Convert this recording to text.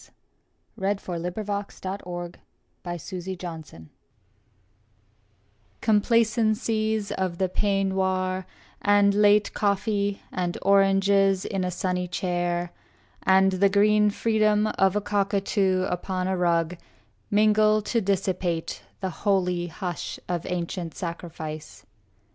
120227Sunday morning1915Wallace Stevens I Complacencies of the peignoir, and late Coffee and oranges in a sunny chair, And the green freedom of a cockatoo Upon a rug mingle to dissipate The holy hush of ancient sacrifice.